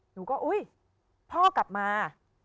หนูก็อุ๊ยพ่อกลับมา